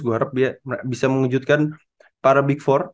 gue harap dia bisa mengejutkan para big empat